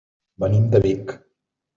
Venim de Vic.